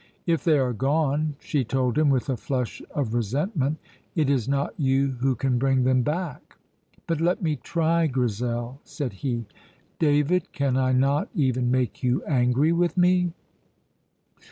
"If they are gone," she told him, with a flush of resentment, "it is not you who can bring them back." "But let me try, Grizel," said he. "David, can I not even make you angry with me?"